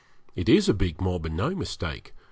It is a big mob and no mistake.